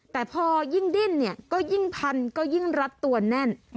แต่พอยิ่งดิ้นเนี่ยก็ยิ่งพันก็ยิ่งรัดตัวแน่น